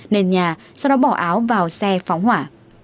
nền nhà sau đó bỏ áo vào xe phóng hỏa